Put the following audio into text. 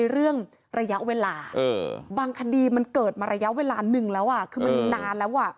เรื่องระยะเวลาบางคดีมันเกิดมาระยะเวลาหนึ่งแล้วคือมันนานแล้ว